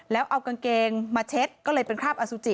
แล้วเอากางเกงมาเช็ดก็เลยเป็นคราบอสุจิ